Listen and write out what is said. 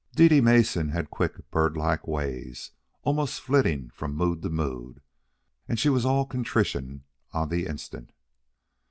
Dede Mason had quick, birdlike ways, almost flitting from mood to mood; and she was all contrition on the instant.